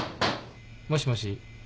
・もしもし？